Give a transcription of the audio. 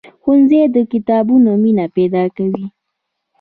ښوونځی د کتابونو مینه پیدا کوي